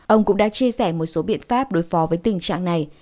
ông cũng đã chia sẻ một số biện pháp đối phó với tình trạng covid một mươi chín